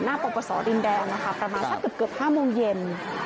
หน้าปรกประสอร์ดินแดงนะคะประมาณสักเกือบเกือบห้าโมงเย็น